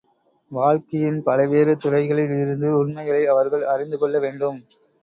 வாழ்க்கையின் பலவேறு துறைகளில் இருந்து உண்மைகளை அவர்கள் அறிந்து கொள்ள வேண்டும்.